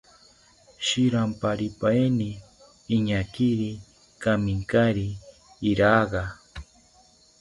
Shiramparipaeni iñaakiri kaminkari iraga